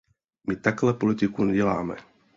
My takhle politiku neděláme.